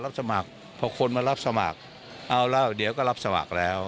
รับสมัครพอคนมารับสมัครเอาแล้วเดี๋ยวก็รับสมัครแล้ว